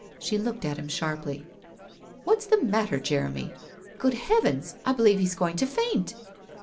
She looked at him sharply. 1 What's the matter, Jeremy ? Good heavens ! I be lieve he's going to faint